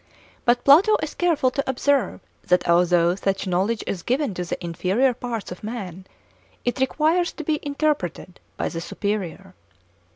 But Plato is careful to observe that although such knowledge is given to the inferior parts of man, it requires to be interpreted by the superior.